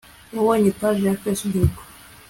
wabonye page ya facebook